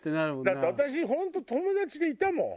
だって私本当友達でいたもん。